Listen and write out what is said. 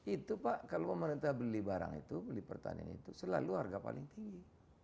itu pak kalau pemerintah beli barang itu beli pertanian itu selalu harga paling tinggi